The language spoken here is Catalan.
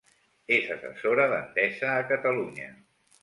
És assessora d'Endesa a Catalunya.